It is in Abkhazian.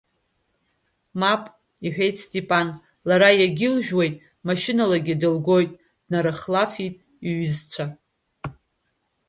Мап, — иҳәеит Степан, лара иагьылжәуеит, машьыналагьы дылгоит, днарыхлафит иҩызцәа.